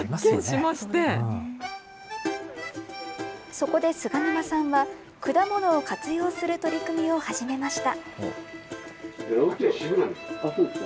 そこで菅沼さんは、果物を活用する取り組みを始めました。